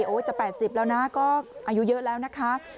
จะ๘๐แล้วนะก็อายุเยอะแล้วนะคะ